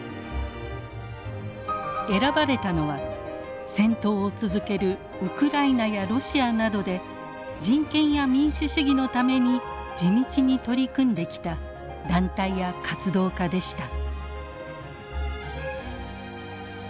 選ばれたのは戦闘を続けるウクライナやロシアなどで人権や民主主義のために地道に取り組んできた団体や活動家でした。